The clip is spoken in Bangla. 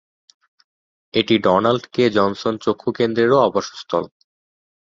এটি ডোনাল্ড কে. জনসন চক্ষু কেন্দ্রেরও আবাসস্থল।